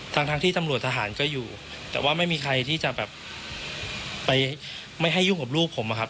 ทั้งทั้งที่ตำรวจทหารก็อยู่แต่ว่าไม่มีใครที่จะแบบไปไม่ให้ยุ่งกับลูกผมอะครับ